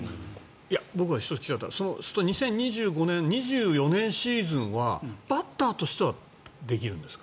僕が１つ聞きたかったのは２０２４年シーズンはバッターとしてはできるんですか？